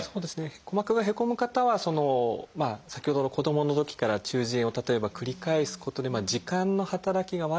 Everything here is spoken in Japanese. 鼓膜がへこむ方は先ほどの子どものときから中耳炎を例えば繰り返すことで耳管の働きが悪くなる。